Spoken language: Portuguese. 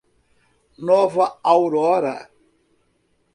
Nova Aurora